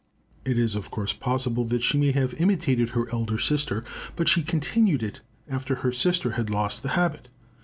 It is of course possible that she may have imitated her elder sister; but she continued it after her sister had lost the habit.